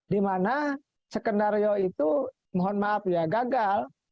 di mana sekenario itu mohon maaf ya gagal